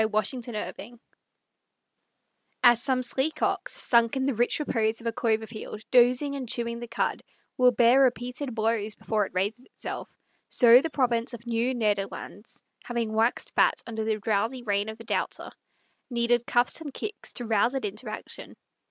WILHELMUS KIEFT As some sleek ox, sunk in the rich repose of a clover field, dozing and chewing the cud, will bear repeated blows before it raises itself, so the province of Nieuw Nederlandts, having waxed fat under the drowsy reign of the Doubter, needed cuffs and kicks to rouse it into action.